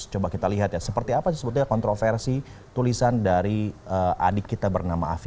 coba kita lihat ya seperti apa sih sebetulnya kontroversi tulisan dari adik kita bernama afi